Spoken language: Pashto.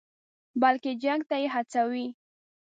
بلکې جنګ ته دې هڅوي.